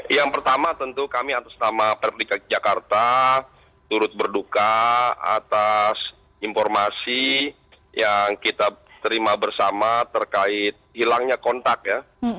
yang pertama tentu kami atas nama perb dki jakarta turut berduka atas informasi yang kita terima bersama terkait hilangnya kontak ya